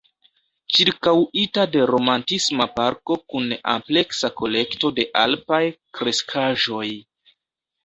Ĉirkaŭita de romantisma parko kun ampleksa kolekto de alpaj kreskaĵoj.